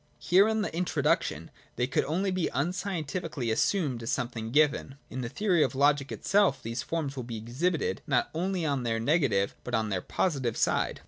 Here in the introduction they could only be unscientifically assumed as something given. In the theory of logic itself these forms will be exhibited, not only on tjigir ne gative, but alspon their positive side.